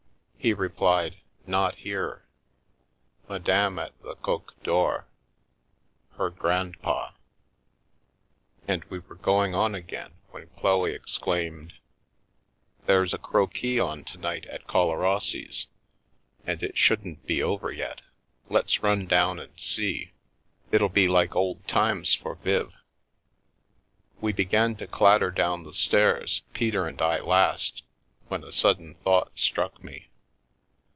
He replied, " Not here. Madame at the Coq d'Or — her grandpa," and we were going on again when Chloe exclaimed: " There's a ' croquis ' on to night at Collarossi's, and it shouldn't be over yet. Let's run down and see; it'll be like old times for Viv." We began to clatter down the stairs, Peter and I last, when a sudden thought struck me.